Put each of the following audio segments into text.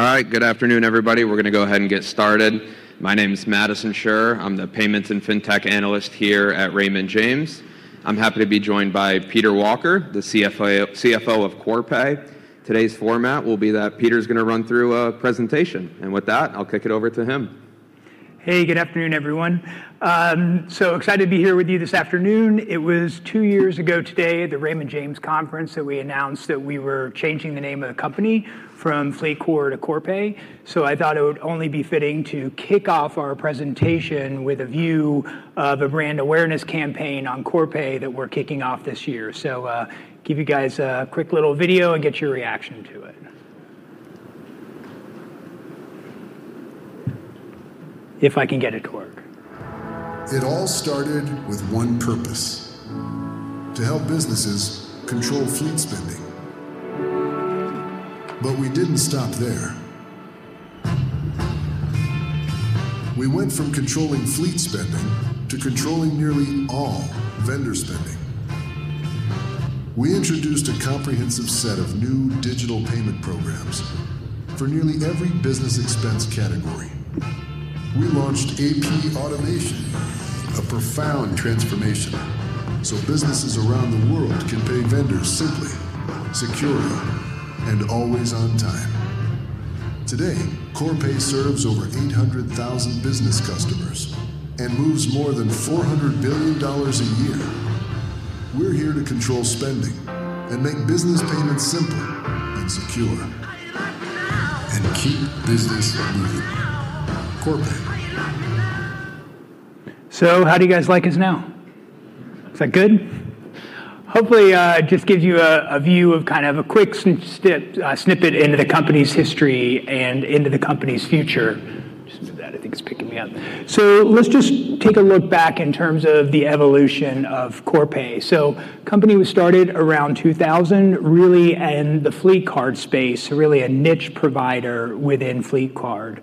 All right. Good afternoon, everybody. We're gonna go ahead and get started. My name is Madison Schurr. I'm the payments and fintech analyst here at Raymond James. I'm happy to be joined by Peter Walker, the CFO of Corpay. Today's format will be that Peter's gonna run through a presentation. With that, I'll kick it over to him. Hey, good afternoon, everyone. Excited to be here with you this afternoon. It was two years ago today at the Raymond James conference that we announced that we were changing the name of the company from Fleetcor to Corpay. I thought it would only be fitting to kick off our presentation with a view of a brand awareness campaign on Corpay that we're kicking off this year. Give you guys a quick little video and get your reaction to it. If I can get it to work. It all started with one purpose: to help businesses control fleet spending. We didn't stop there. We went from controlling fleet spending to controlling nearly all vendor spending. We introduced a comprehensive set of new digital payment programs for nearly every business expense category. We launched AP automation, a profound transformation, so businesses around the world can pay vendors simply, securely, and always on time. Today, Corpay serves over 800,000 business customers and moves more than $400 billion a year. We're here to control spending and make business payments simple and secure. How you like me now? Keep business moving. Corpay. How you like me now? How do you guys like us now? Is that good? Hopefully, it just gives you a view of kind of a quick snippet into the company's history and into the company's future. Just move that. I think it's picking me up. Let's just take a look back in terms of the evolution of Corpay. Company was started around 2000 really in the fleet card space, so really a niche provider within fleet card.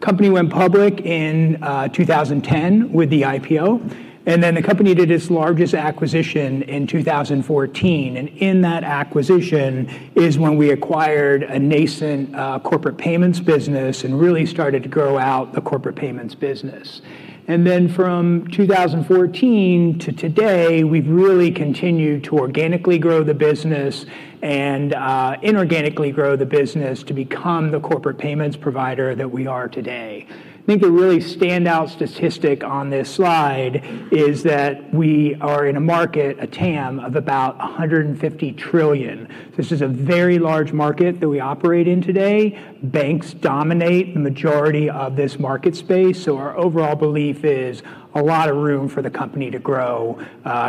Company went public in 2010 with the IPO, the company did its largest acquisition in 2014. In that acquisition is when we acquired a nascent corporate payments business and really started to grow out the corporate payments business. From 2014 to today, we've really continued to organically grow the business and inorganically grow the business to become the corporate payments provider that we are today. I think the really standout statistic on this slide is that we are in a market, a TAM, of about $150 trillion. This is a very large market that we operate in today. Banks dominate the majority of this market space, our overall belief is a lot of room for the company to grow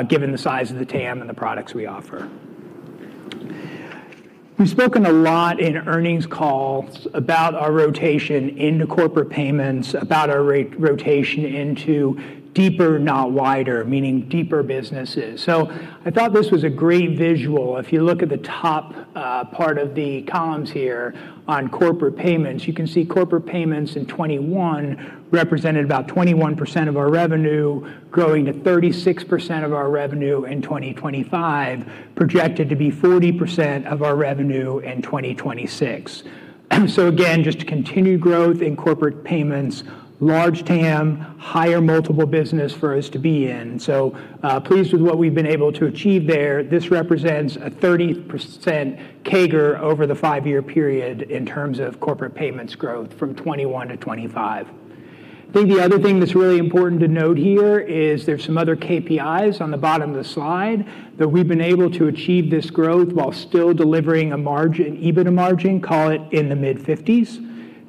given the size of the TAM and the products we offer. We've spoken a lot in earnings calls about our rotation into corporate payments, about our rotation into deeper, not wider, meaning deeper businesses. I thought this was a great visual. If you look at the top part of the columns here on corporate payments, you can see corporate payments in 2021 represented about 21% of our revenue, growing to 36% of our revenue in 2025, projected to be 40% of our revenue in 2026. Again, just continued growth in corporate payments, large TAM, higher multiple business for us to be in. Pleased with what we've been able to achieve there. This represents a 30% CAGR over the 5-year period in terms of corporate payments growth from 2021 to 2025. I think the other thing that's really important to note here is there's some other KPIs on the bottom of the slide that we've been able to achieve this growth while still delivering a margin, EBITDA margin, call it in the mid-fifties,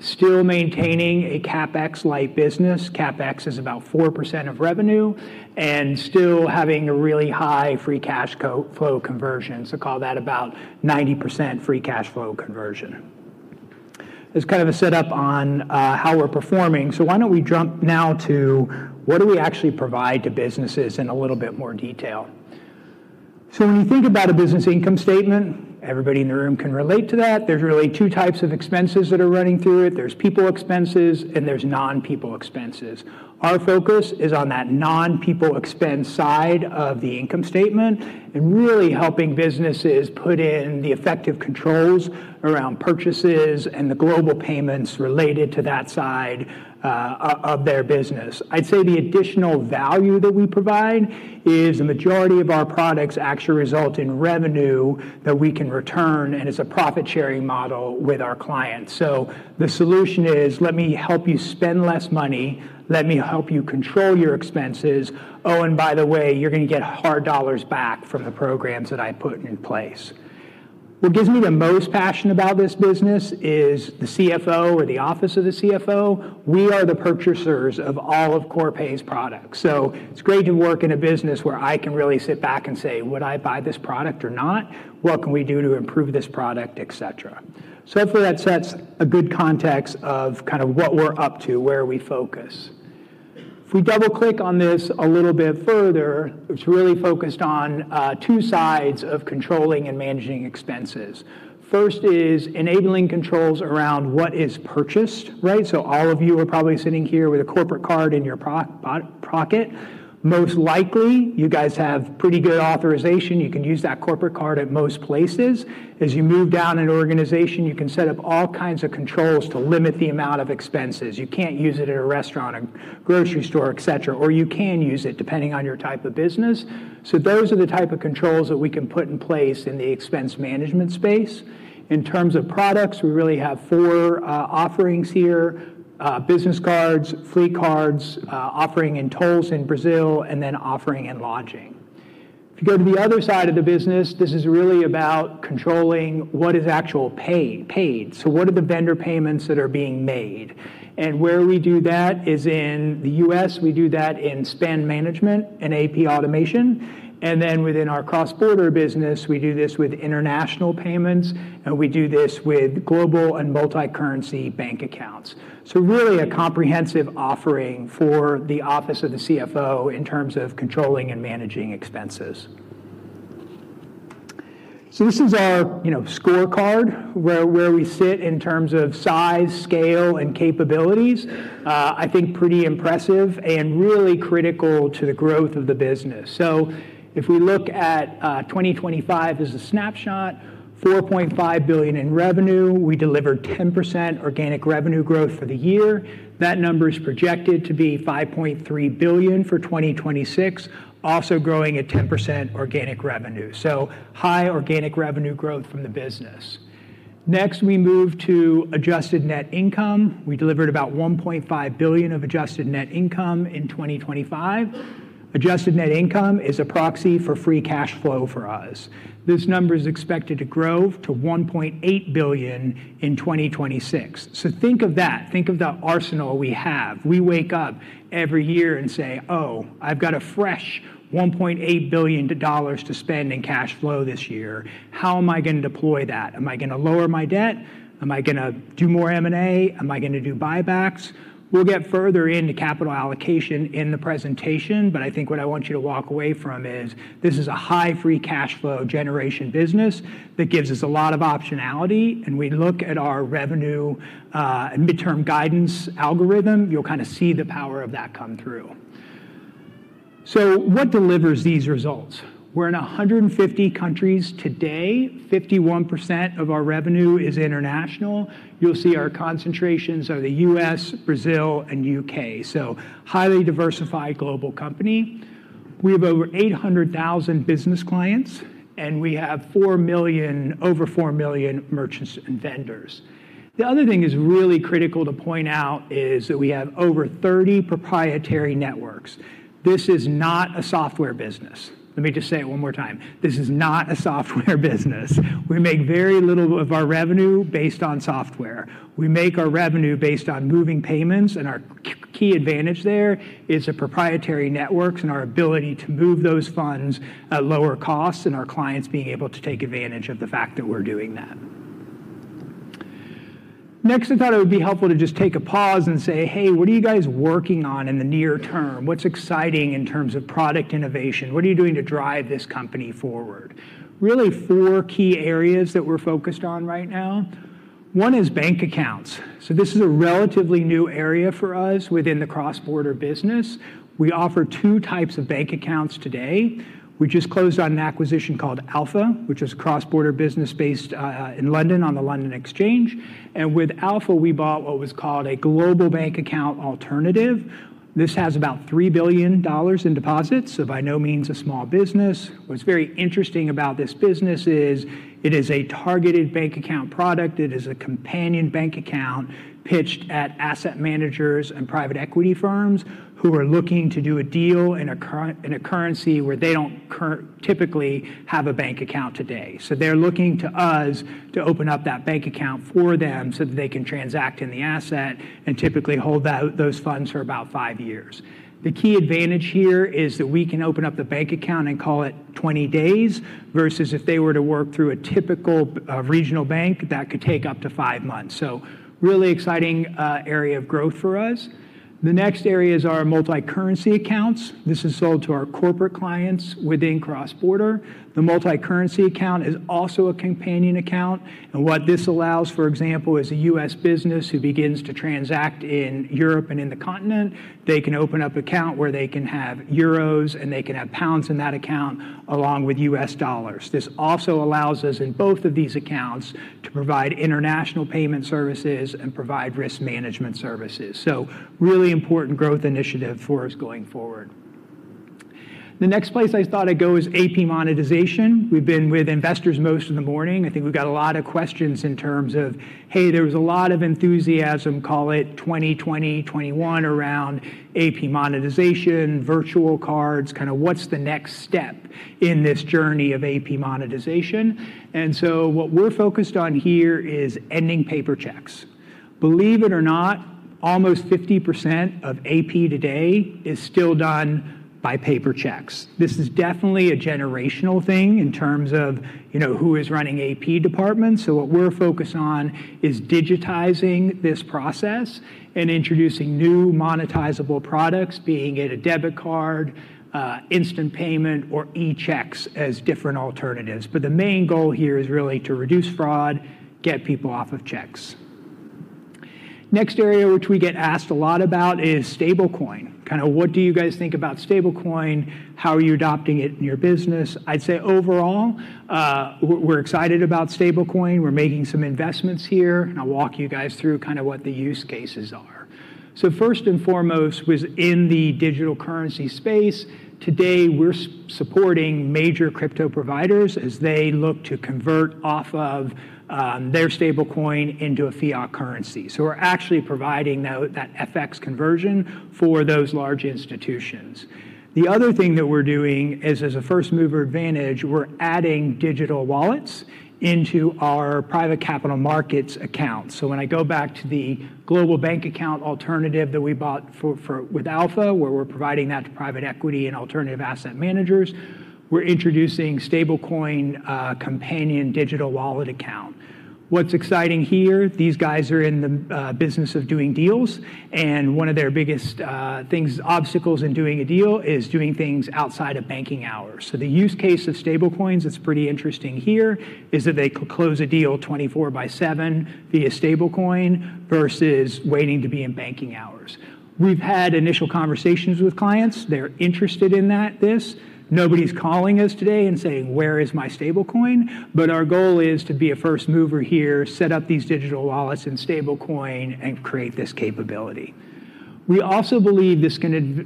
still maintaining a CapEx-light business, CapEx is about 4% of revenue, and still having a really high free cash flow conversion. Call that about 90% free cash flow conversion. That's kind of a setup on how we're performing. Why don't we jump now to what do we actually provide to businesses in a little bit more detail. When you think about a business income statement, everybody in the room can relate to that. There's really two types of expenses that are running through it. There's people expenses and there's non-people expenses. Our focus is on that non-people expense side of the income statement and really helping businesses put in the effective controls around purchases and the global payments related to that side of their business. I'd say the additional value that we provide is the majority of our products actually result in revenue that we can return, and it's a profit-sharing model with our clients. The solution is let me help you spend less money, let me help you control your expenses, oh, and by the way, you're gonna get hard dollars back from the programs that I put in place. What gives me the most passion about this business is the CFO or the office of the CFO, we are the purchasers of all of Corpay's products. It's great to work in a business where I can really sit back and say, "Would I buy this product or not? What can we do to improve this product?" Et cetera. Hopefully that sets a good context of kind of what we're up to, where we focus. If we double-click on this a little bit further, it's really focused on two sides of controlling and managing expenses. First is enabling controls around what is purchased, right? All of you are probably sitting here with a corporate card in your pocket. Most likely, you guys have pretty good authorization. You can use that corporate card at most places. As you move down an organization, you can set up all kinds of controls to limit the amount of expenses. You can't use it at a restaurant or grocery store, et cetera, or you can use it depending on your type of business. Those are the type of controls that we can put in place in the expense management space. In terms of products, we really have four offerings here: business cards, fleet cards, offering in tolls in Brazil, and then offering in lodging. If you go to the other side of the business, this is really about controlling what is actual paid. What are the vendor payments that are being made? Where we do that is in the U.S. we do that in spend management and AP automation. Then within our cross-border business, we do this with international payments, and we do this with global and multi-currency bank accounts. Really a comprehensive offering for the office of the CFO in terms of controlling and managing expenses. This is our, you know, scorecard where we sit in terms of size, scale, and capabilities. I think pretty impressive and really critical to the growth of the business. If we look at 2025 as a snapshot, $4.5 billion in revenue. We delivered 10% organic revenue growth for the year. That number is projected to be $5.3 billion for 2026, also growing at 10% organic revenue. High organic revenue growth from the business. Next, we move to adjusted net income. We delivered about $1.5 billion of adjusted net income in 2025. Adjusted net income is a proxy for free cash flow for us. This number is expected to grow to $1.8 billion in 2026. Think of that. Think of the arsenal we have. We wake up every year and say, "Oh, I've got a fresh $1.8 billion to spend in cash flow this year. How am I gonna deploy that? Am I gonna lower my debt? Am I gonna do more M&A? Am I gonna do buybacks?" We'll get further into capital allocation in the presentation, I think what I want you to walk away from is this is a high free cash flow generation business that gives us a lot of optionality, and we look at our revenue and midterm guidance algorithm, you'll kinda see the power of that come through. What delivers these results? We're in 150 countries today. 51% of our revenue is international. You'll see our concentrations are the U.S. Brazil, and U.K., so highly diversified global company. We have over 800,000 business clients, and we have 4 million, over 4 million merchants and vendors. The other thing is really critical to point out is that we have over 30 proprietary networks. This is not a software business. Let me just say it one more time. This is not a software business. We make very little of our revenue based on software. We make our revenue based on moving payments, and our key advantage there is the proprietary networks and our ability to move those funds at lower costs and our clients being able to take advantage of the fact that we're doing that. Next, I thought it would be helpful to just take a pause and say, "Hey, what are you guys working on in the near term? What's exciting in terms of product innovation? What are you doing to drive this company forward? Really four key areas that we're focused on right now. One is bank accounts. This is a relatively new area for us within the cross-border business. We offer two types of bank accounts today. We just closed on an acquisition called Alpha, which is a cross-border business based in London on the London Stock Exchange. With Alpha, we bought what was called a global bank account alternative. This has about $3 billion in deposits, so by no means a small business. What's very interesting about this business is it is a targeted bank account product. It is a companion bank account pitched at asset managers and private equity firms who are looking to do a deal in a currency where they don't typically have a bank account today. They're looking to us to open up that bank account for them so that they can transact in the asset and typically hold out those funds for about five years. The key advantage here is that we can open up the bank account and call it 20 days versus if they were to work through a typical regional bank, that could take up to five months. Really exciting area of growth for us. The next area is our Multi-Currency Accounts. This is sold to our corporate clients within cross-border. The Multi-Currency Account is also a companion account. What this allows, for example, is a U.S. business who begins to transact in Europe and in the continent, they can open up account where they can have euros and they can have pounds in that account along with U.S. dollars. This also allows us in both of these accounts to provide international payment services and provide risk management services. Really important growth initiative for us going forward. The next place I thought I'd go is AP monetization. We've been with investors most of the morning. I think we've got a lot of questions in terms of, hey, there was a lot of enthusiasm, call it 2020, 2021 around AP monetization, Virtual Cards, kinda what's the next step in this journey of AP monetization. What we're focused on here is ending paper checks. Believe it or not, Almost 50% of AP today is still done by paper checks. This is definitely a generational thing in terms of, you know, who is running AP departments. What we're focused on is digitizing this process and introducing new monetizable products, being it a debit card, instant payment, or e-checks as different alternatives. The main goal here is really to reduce fraud, get people off of checks. Next area which we get asked a lot about is stablecoin. Kinda what do you guys think about stablecoin? How are you adopting it in your business? I'd say overall, we're excited about stablecoin. We're making some investments here, and I'll walk you guys through kinda what the use cases are. First and foremost was in the digital currency space. Today, we're supporting major crypto providers as they look to convert off of their stablecoin into a fiat currency. We're actually providing now that FX conversion for those large institutions. The other thing that we're doing is as a first-mover advantage, we're adding digital wallets into our private capital markets accounts. When I go back to the global bank account alternative that we bought for with Alpha, where we're providing that to private equity and alternative asset managers, we're introducing stablecoin companion digital wallet account. What's exciting here, these guys are in the business of doing deals, and one of their biggest obstacles in doing a deal is doing things outside of banking hours. The use case of stablecoins that's pretty interesting here is that they can close a deal 24/7 via stablecoin versus waiting to be in banking hours. We've had initial conversations with clients. They're interested in that, this. Nobody's calling us today and saying, "Where is my stablecoin?" Our goal is to be a first mover here, set up these digital wallets and stablecoin, and create this capability. We also believe this can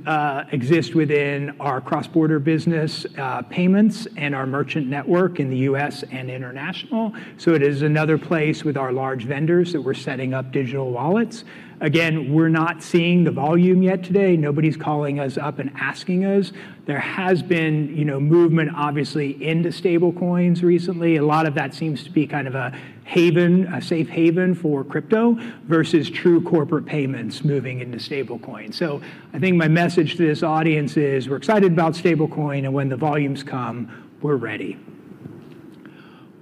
exist within our cross-border business, payments and our merchant network in the U.S. and international. It is another place with our large vendors that we're setting up digital wallets. Again, we're not seeing the volume yet today. Nobody's calling us up and asking us. There has been, you know, movement obviously into stablecoins recently. A lot of that seems to be kind of a haven, a safe haven for crypto versus true corporate payments moving into stablecoin. I think my message to this audience is we're excited about stablecoin, and when the volumes come, we're ready.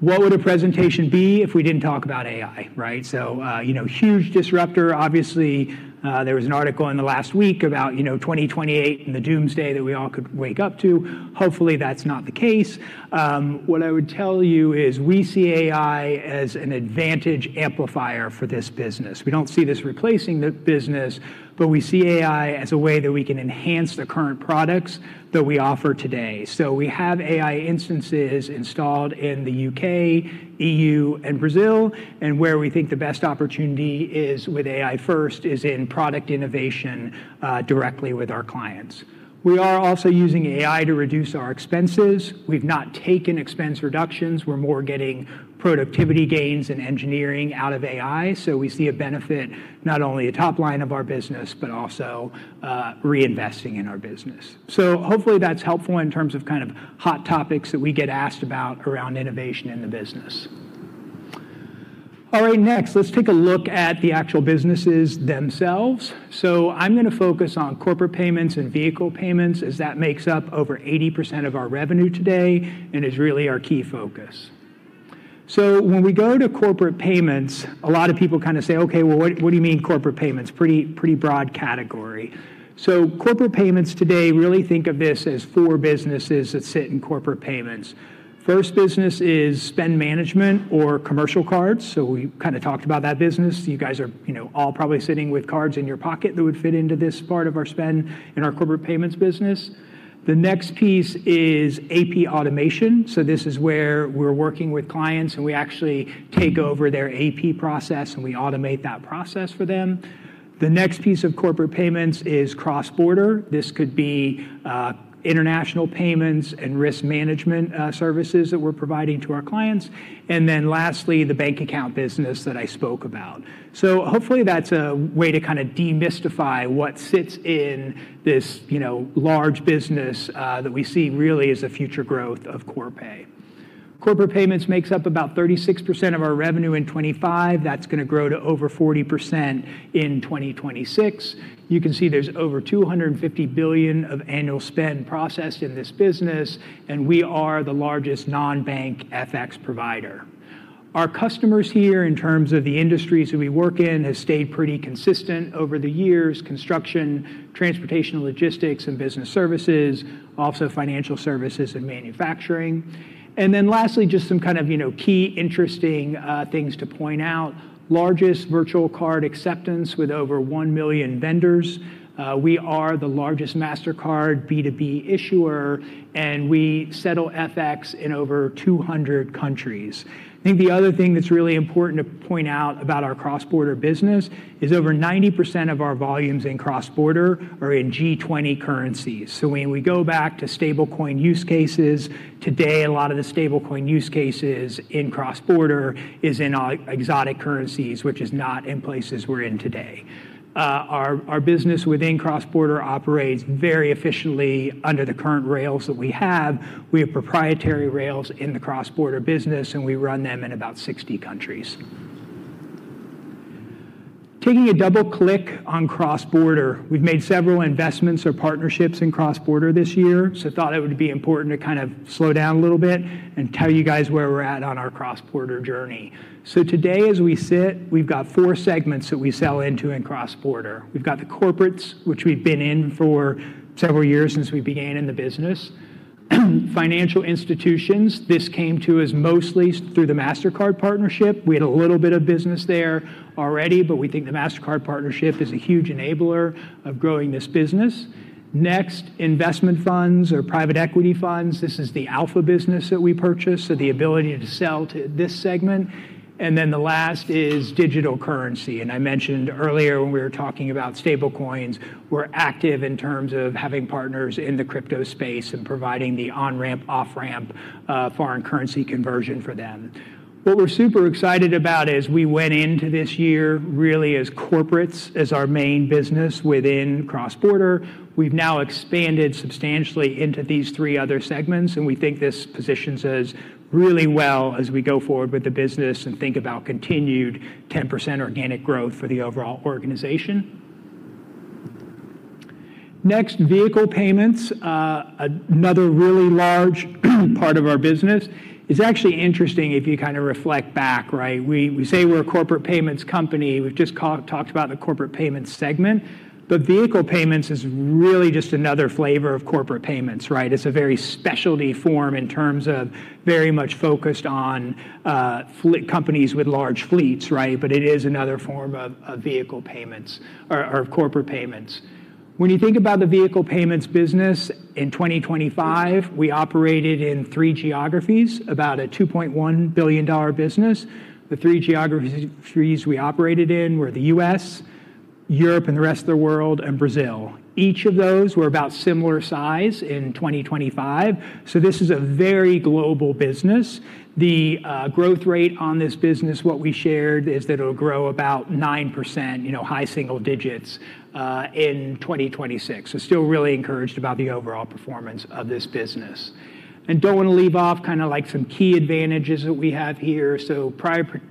What would a presentation be if we didn't talk about AI, right? You know, huge disruptor. Obviously, there was an article in the last week about, you know, 2028 and the doomsday that we all could wake up to. Hopefully, that's not the case. What I would tell you is we see AI as an advantage amplifier for this business. We don't see this replacing the business, but we see AI as a way that we can enhance the current products that we offer today. We have AI instances installed in the U.K. E.U., and Brazil, and where we think the best opportunity is with AI first is in product innovation directly with our clients. We are also using AI to reduce our expenses. We've not taken expense reductions. We're more getting productivity gains and engineering out of AI. We see a benefit not only at top line of our business, but also reinvesting in our business. Hopefully that's helpful in terms of kind of hot topics that we get asked about around innovation in the business. All right, next, let's take a look at the actual businesses themselves. I'm gonna focus on corporate payments and vehicle payments, as that makes up over 80% of our revenue today and is really our key focus. When we go to corporate payments, a lot of people kind of say, "Okay, well what do you mean corporate payments?" Pretty broad category. Corporate payments today, really think of this as four businesses that sit in corporate payments. First business is spend management or commercial cards. We kind of talked about that business. You guys are, you know, all probably sitting with cards in your pocket that would fit into this part of our spend in our corporate payments business. The next piece is AP automation. This is where we're working with clients, and we actually take over their AP process, and we automate that process for them. The next piece of corporate payments is cross-border. This could be international payments and risk management services that we're providing to our clients. Lastly, the bank account business that I spoke about. Hopefully that's a way to kinda demystify what sits in this, you know, large business that we see really as a future growth of Corpay. Corporate payments makes up about 36% of our revenue in 2025. That's gonna grow to over 40% in 2026. You can see there's over $250 billion of annual spend processed in this business, and we are the largest non-bank FX provider. Our customers here, in terms of the industries that we work in, has stayed pretty consistent over the years, construction, transportation, logistics, and business services, also financial services and manufacturing. Lastly, just some kind of, you know, key interesting things to point out. Largest Virtual Card acceptance with over 1 million vendors. We are the largest Mastercard B2B issuer, and we settle FX in over 200 countries. I think the other thing that's really important to point out about our cross-border business is over 90% of our volumes in cross-border are in G20 currencies. When we go back to stablecoin use cases, today a lot of the stablecoin use cases in cross-border is in ex-exotic currencies, which is not in places we're in today. Our business within cross-border operates very efficiently under the current rails that we have. We have proprietary rails in the cross-border business, and we run them in about 60 countries. Taking a double click on cross-border, we've made several investments or partnerships in cross-border this year, so thought it would be important to kind of slow down a little bit and tell you guys where we're at on our cross-border journey. Today as we sit, we've got four segments that we sell into in cross-border. We've got the corporates, which we've been in for several years since we began in the business. Financial institutions, this came to us mostly through the Mastercard partnership. We had a little bit of business there already, but we think the Mastercard partnership is a huge enabler of growing this business. Investment funds or private equity funds. This is the Alpha business that we purchased, so the ability to sell to this segment. The last is digital currency, and I mentioned earlier when we were talking about stablecoins, we're active in terms of having partners in the crypto space and providing the on-ramp, off-ramp, foreign currency conversion for them. What we're super excited about is we went into this year really as corporates as our main business within cross-border. We've now expanded substantially into these three other segments. We think this positions us really well as we go forward with the business and think about continued 10% organic growth for the overall organization. Next, vehicle payments. Another really large part of our business. It's actually interesting if you kinda reflect back, right? We say we're a corporate payments company. We've just talked about the corporate payments segment. Vehicle payments is really just another flavor of corporate payments, right? It's a very specialty form in terms of very much focused on companies with large fleets, right? It is another form of vehicle payments or corporate payments. When you think about the vehicle payments business, in 2025, we operated in three geographies, about a $2.1 billion business. The three geographies we operated in were the U.S. Europe and the rest of the world, and Brazil. Each of those were about similar size in 2025, so this is a very global business. The growth rate on this business, what we shared is that it'll grow about 9%, you know, high single digits in 2026. Still really encouraged about the overall performance of this business. Don't wanna leave off kinda like some key advantages that we have here.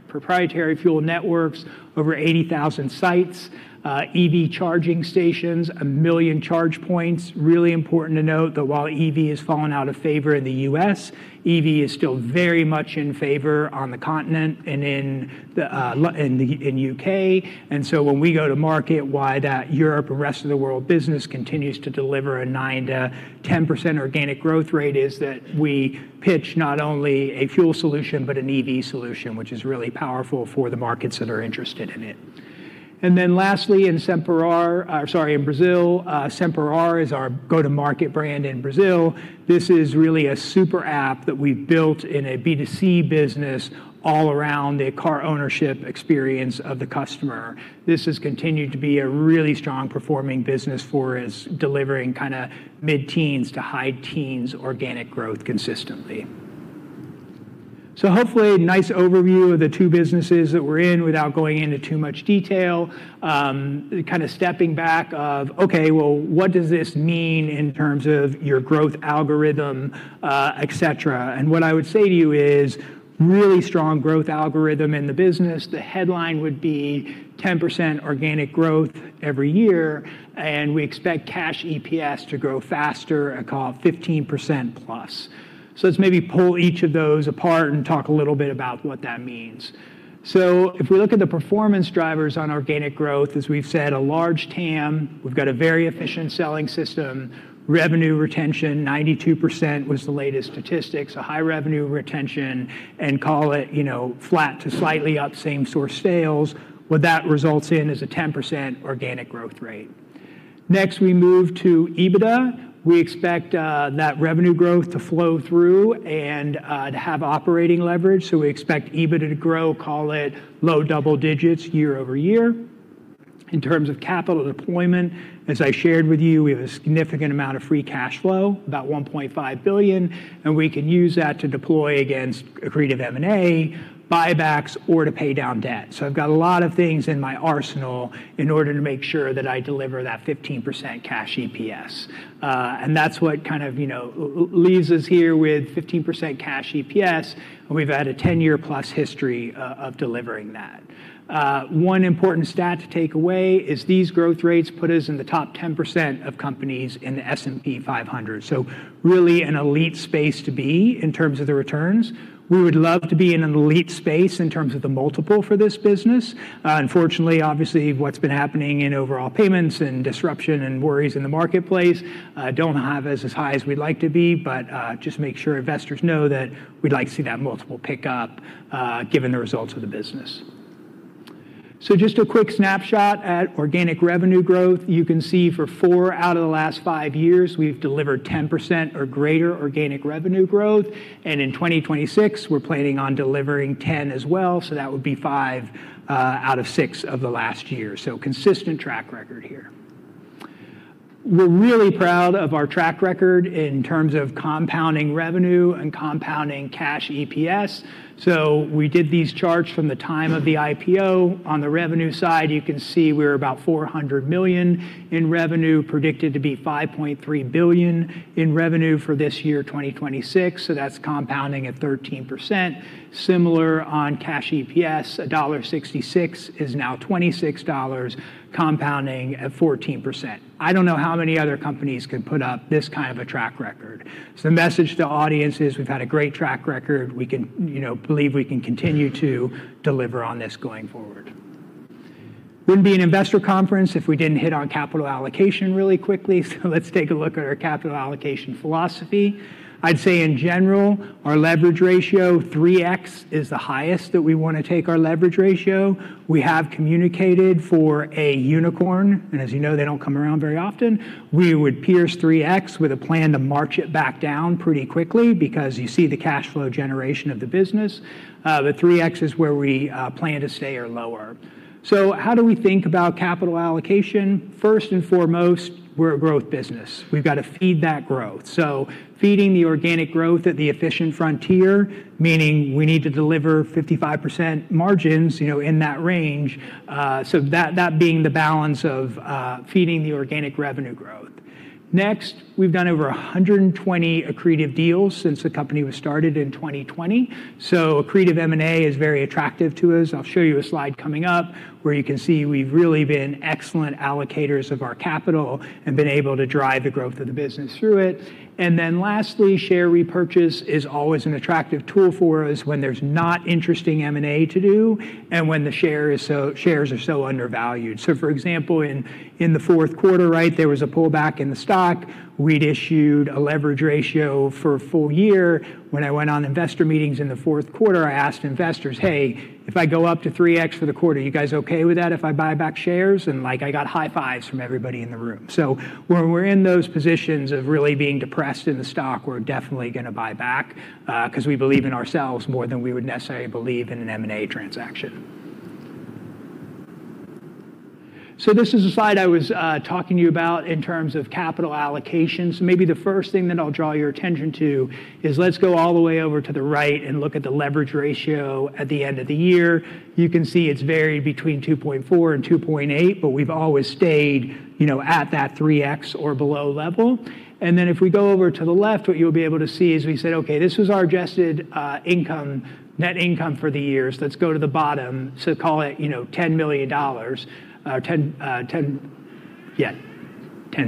Proprietary fuel networks, over 80,000 sites, EV charging stations, 1 million charge points. Really important to note that while EV has fallen out of favor in the U.S., EV is still very much in favor on the continent and in the U.K. When we go to market, why that Europe or rest of the world business continues to deliver a 9%-10% organic growth rate is that we pitch not only a fuel solution but an EV solution, which is really powerful for the markets that are interested in it. Lastly, in Brazil, Semparar is our go-to-market brand in Brazil. This is really a super app that we've built in a B2C business all around the car ownership experience of the customer. This has continued to be a really strong performing business for us, delivering kinda mid-teens to high teens organic growth consistently. Hopefully a nice overview of the two businesses that we're in without going into too much detail. kinda stepping back of, okay, well, what does this mean in terms of your growth algorithm, et cetera? What I would say to you is really strong growth algorithm in the business. The headline would be 10% organic growth every year, and we expect cash EPS to grow faster at +15%. Let's maybe pull each of those apart and talk a little bit about what that means. If we look at the performance drivers on organic growth, as we've said, a large TAM, we've got a very efficient selling system, revenue retention, 92% was the latest statistics. A high revenue retention and call it, you know, flat to slightly up same-store sales. What that results in is a 10% organic growth rate. Next, we move to EBITDA. We expect that revenue growth to flow through and to have operating leverage, so we expect EBITDA to grow, call it low double digits year-over-year. In terms of capital deployment, as I shared with you, we have a significant amount of free cash flow, about $1.5 billion. We can use that to deploy against accretive M&A, buybacks, or to pay down debt. I've got a lot of things in my arsenal in order to make sure that I deliver that 15% cash EPS. That's what kind of, you know, leaves us here with 15% cash EPS. We've had a 10-year-plus history of delivering that. One important stat to take away is these growth rates put us in the top 10% of companies in the S&P 500. Really an elite space to be in terms of the returns. We would love to be in an elite space in terms of the multiple for this business. Unfortunately, obviously, what's been happening in overall payments and disruption and worries in the marketplace, don't have us as high as we'd like to be, but just make sure investors know that we'd like to see that multiple pick up given the results of the business. Just a quick snapshot at organic revenue growth. You can see for four out of the last five years, we've delivered 10% or greater organic revenue growth. In 2026, we're planning on delivering 10% as well, so that would be five out of six of the last year. Consistent track record here. We're really proud of our track record in terms of compounding revenue and compounding cash EPS. We did these charts from the time of the IPO. On the revenue side, you can see we're about $400 million in revenue, predicted to be $5.3 billion in revenue for this year, 2026, that's compounding at 13%. Similar on cash EPS, $1.66 is now $26, compounding at 14%. I don't know how many other companies can put up this kind of a track record. The message to audience is we've had a great track record. We can, you know, believe we can continue to deliver on this going forward. Wouldn't be an investor conference if we didn't hit on capital allocation really quickly. Let's take a look at our capital allocation philosophy. I'd say in general, our leverage ratio, 3x, is the highest that we wanna take our leverage ratio. We have communicated for a unicorn, as you know, they don't come around very often. We would pierce 3x with a plan to march it back down pretty quickly because you see the cash flow generation of the business. The 3x is where we plan to stay or lower. How do we think about capital allocation? First and foremost, we're a growth business. We've gotta feed that growth. Feeding the organic growth at the efficient frontier, meaning we need to deliver 55% margins, you know, in that range, so that being the balance of feeding the organic revenue growth. Next, we've done over 120 accretive deals since the company was started in 2020. Accretive M&A is very attractive to us, and I'll show you a slide coming up where you can see we've really been excellent allocators of our capital and been able to drive the growth of the business through it. Lastly, share repurchase is always an attractive tool for us when there's not interesting M&A to do and when the shares are so undervalued. For example, in the fourth quarter, right, there was a pullback in the stock. We'd issued a leverage ratio for a full year. When I went on investor meetings in the fourth quarter, I asked investors, "Hey, if I go up to 3x for the quarter, are you guys okay with that if I buy back shares?" Like, I got high fives from everybody in the room. When we're in those positions of really being depressed in the stock, we're definitely gonna buy back, because we believe in ourselves more than we would necessarily believe in an M&A transaction. This is a slide I was talking to you about in terms of capital allocations. Maybe the first thing that I'll draw your attention to is let's go all the way over to the right and look at the leverage ratio at the end of the year. You can see it's varied between 2.4x and 2.8x, but we've always stayed, you know, at that 3x or below level. If we go over to the left, what you'll be able to see is we said, "Okay, this was our adjusted net income for the years." Let's go to the bottom. Call it, you know, $10 million. $10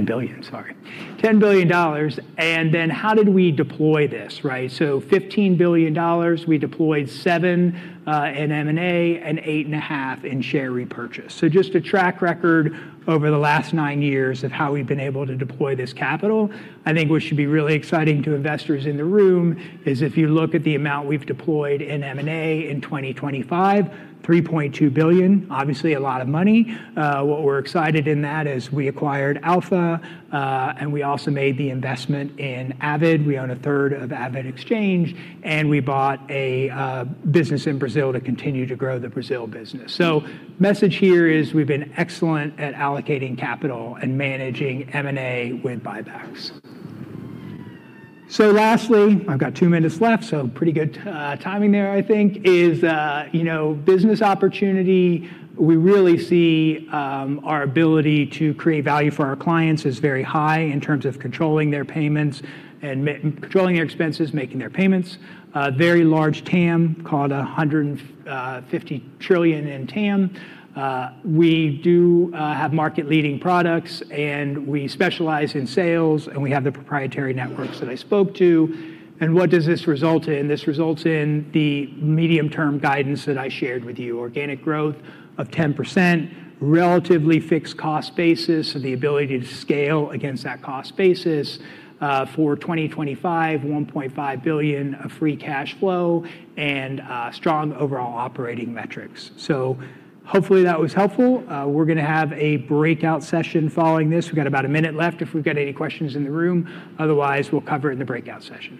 billion. Sorry. $10 billion. How did we deploy this, right? $15 billion, we deployed $7 billion in M&A and $8.5 billion in share repurchase. Just a track record over the last nine years of how we've been able to deploy this capital. I think what should be really exciting to investors in the room is if you look at the amount we've deployed in M&A in 2025, $3.2 billion, obviously a lot of money. What we're excited in that is we acquired Alpha and we also made the investment in AvidXchange. We own a third of AvidXchange, and we bought a business in Brazil to continue to grow the Brazil business. Message here is we've been excellent at allocating capital and managing M&A with buybacks. Lastly, I've got 2 minutes left, so pretty good timing there, I think, is, you know, business opportunity. We really see, our ability to create value for our clients is very high in terms of controlling their payments and controlling their expenses, making their payments. Very large TAM, call it $150 trillion in TAM. We do have market-leading products, and we specialize in sales, and we have the proprietary networks that I spoke to. What does this result in? This results in the medium-term guidance that I shared with you. Organic growth of 10%, relatively fixed cost basis, so the ability to scale against that cost basis, for 2025, $1.5 billion of free cash flow, and strong overall operating metrics. Hopefully that was helpful. We're gonna have a breakout session following this. We got about a minute left if we've got any questions in the room. Otherwise, we'll cover it in the breakout session.